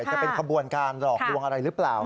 จะเป็นขบวนการหลอกลวงอะไรหรือเปล่า